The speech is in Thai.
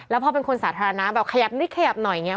แล้วพอเป็นคนสาธารณะแบบขยับนิดขยับหน่อยอย่างนี้